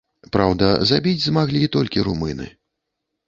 Праўда, забіць змаглі толькі румыны.